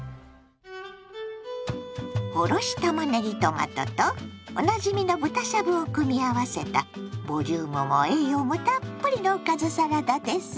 おろしたまねぎトマトとおなじみの豚しゃぶを組み合わせたボリュームも栄養もたっぷりのおかずサラダです。